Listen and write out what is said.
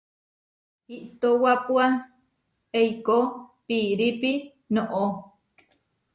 Iʼtowápua eikó piirípi noʼó.